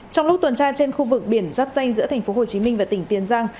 trong lúc tuần tra trên khu vực biển giáp danh giữa tp hcm và tỉnh tiền giang